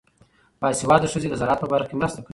باسواده ښځې د زراعت په برخه کې مرسته کوي.